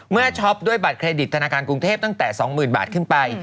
ช็อปด้วยบัตรเครดิตธนาคารกรุงเทพตั้งแต่๒๐๐๐บาทขึ้นไป